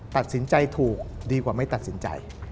ตัดสินใจถูกดีกว่าไม่ตัดสินใจ